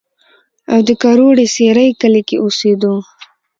او د کروړې سېرۍ کلي کښې اوسېدو